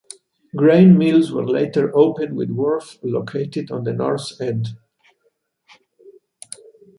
Grain mills were later opened with wharf located on the north end.